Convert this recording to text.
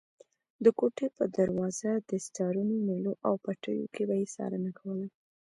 د کوټې په دروازه، دستارونو، مېلو او پټیو کې به یې څارنه کوله.